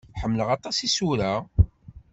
Ḥemmleɣ aṭas isura.